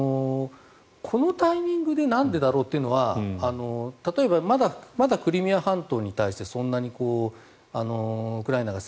このタイミングでなんでだろうっていうのは例えばまだクリミア半島に対してそんなにウクライナが